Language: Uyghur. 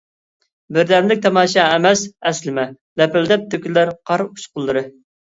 بىردەملىك تاماشا ئەمەس ئەسلىمە، لەپىلدەپ تۆكۈلەر قار ئۇچقۇنلىرى.